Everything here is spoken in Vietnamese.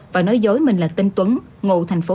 và nói dối mình là tinh tuấn ngụ thành phố